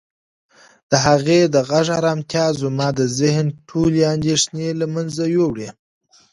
د هغې د غږ ارامتیا زما د ذهن ټولې اندېښنې له منځه یووړې.